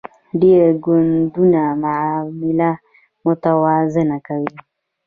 ډیر ګوندونه معامله متوازنه کوي